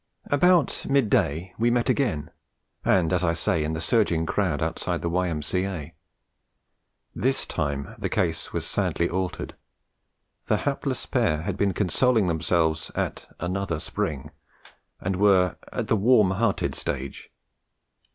About mid day we met again, and as I say, in the surging crowd outside the Y.M.C.A. This time the case was sadly altered; the hapless pair had been consoling themselves at another spring, and were at the warm hearted stage.